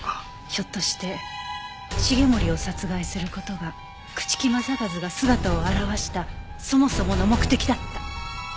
ひょっとして繁森を殺害する事が朽木政一が姿を現したそもそもの目的だった？